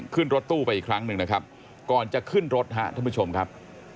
ขึ้นรถตู้ไปอีกครั้งหนึ่งนะครับก่อนจะขึ้นรถฮะท่านผู้ชมครับ